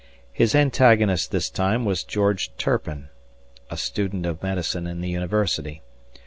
... His antagonist this time was George Turpin, a student of medicine in the University.